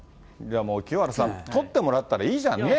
もう清原さん、撮ってもらったらいいじゃんね。